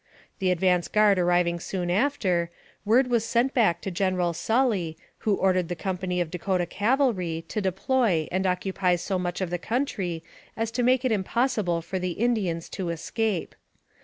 The advance guard arriving soon after, word was sent back to General Sully, who ordered the company of Dakota Cavalry to deploy and occupy so much of the country as to make it impossible for the Indians to escape.